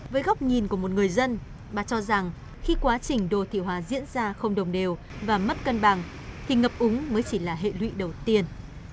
với góc nhìn của một người dân bà cho rằng khi quá trình đô thị hóa diễn ra không đồng đều và mất cân bằng thì ngập úng mới chỉ là hệ lụy đầu tiên